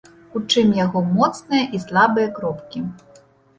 У чым яго моцныя і слабыя кропкі.